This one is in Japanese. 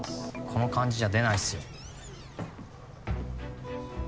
この感じじゃ出ないっすよ